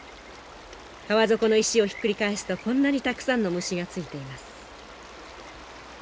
川底の石をひっくり返すとこんなにたくさんの虫がついています。